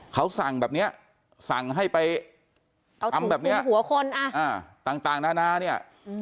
เขาสั่งแบบเนี้ยสั่งให้ไปเอาทำแบบนี้หัวคนต่างนานาเนี่ย